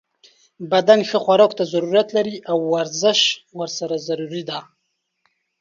بدن ښه خوراک ته ضرورت لری او ورزش ورسره ډیر ضروری ده